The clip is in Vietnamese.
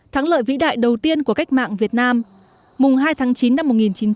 thắng lợi vĩ đại đầu tiên của cách mạng việt nam mùng hai tháng chín năm một nghìn chín trăm bốn mươi năm